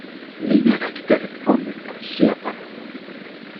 Li ne rekte respondis al ŝia parolo.